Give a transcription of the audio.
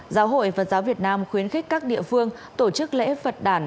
giáo hội phật giáo việt nam khuyến khích các địa phương tổ chức lễ phật đàn